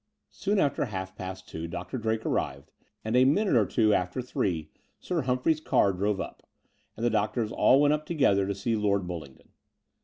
Soon after half past two Dr. Drake arrived, and a minute or two after three Sir Humphrey's car drove up ; and the doctors all went up together to see Lord Bullingdon.